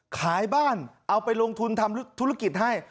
ขายบ้านเอาไปลงทุนทำธุรกิจให้